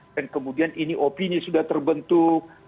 dan kemudian ini opini sudah terbentuk